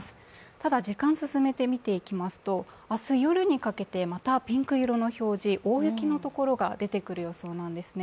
ただ、時間を進めて見ていきますと明日夜に向けてまたピンク色の表示、大雪の所が出てくる予想なんですね。